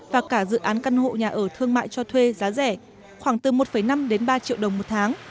và cả dự án căn hộ nhà ở thương mại cho thuê giá rẻ khoảng từ một năm đến ba triệu đồng một tháng